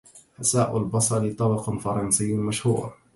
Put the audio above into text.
حساء البصل طبق فرنسي مشهور.